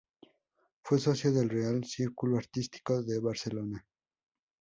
Fue socio del Real Círculo Artístico de Barcelona.